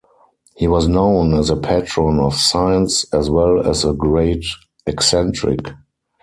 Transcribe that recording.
He was known as a patron of science as well as a great eccentric.